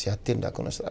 この人ら。